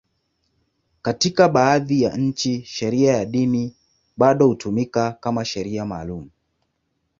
Katika baadhi ya nchi, sheria ya dini bado hutumika kama sheria maalum.